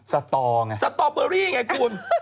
สตอร์ไงสตอร์เบอร์รี่ไงคุณ